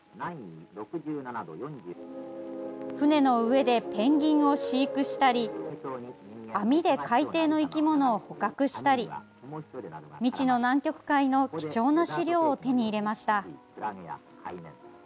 船の上でペンギンを飼育したり網で海底の生き物を捕獲したり未知の南極海の貴重な資料を手に入れました。